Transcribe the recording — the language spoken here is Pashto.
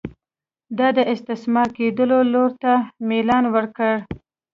دا د استثماري کېدو لور ته میلان وکړي.